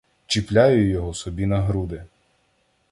Чіпляю його собі на груди.